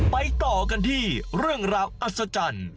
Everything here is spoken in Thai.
ต่อกันที่เรื่องราวอัศจรรย์